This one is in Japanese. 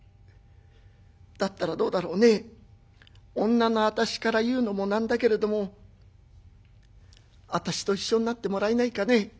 だったらどうだろうね女の私から言うのもなんだけれども私と一緒になってもらえないかね？